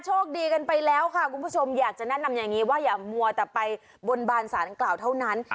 กันไปแล้วค่ะคุณผู้ชมอยากจะแนะนำอย่างนี้ว่าอย่ามัวแต่ไปบนบานสารกล่าวเท่านั้น